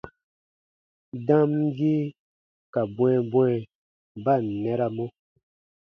Damgii ka bwɛ̃ɛbwɛ̃ɛ ba ǹ nɛramɔ.